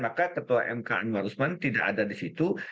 maka ketua mk anwar usman tidak ada di situ